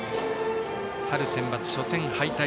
春センバツ初戦敗退。